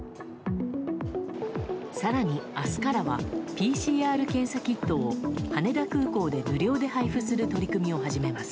更に明日からはＰＣＲ検査キットを羽田空港で無料で配布する取り組みを始めます。